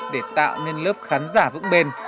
để tạo nên lớp khán giả vững bền